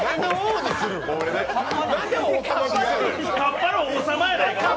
カッパの王様やないか！